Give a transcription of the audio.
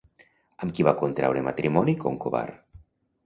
Amb qui va contraure matrimoni Concobar?